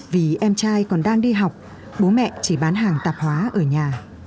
vì em trai còn đang đi học bố mẹ chỉ bán hàng tạp hóa ở nhà